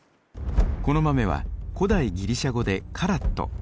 この豆は古代ギリシャ語でカラット。